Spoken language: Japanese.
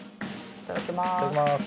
いただきます。